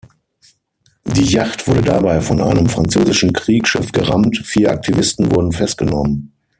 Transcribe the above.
Die Yacht wurde dabei von einem französischen Kriegsschiff gerammt, vier Aktivisten wurden festgenommen.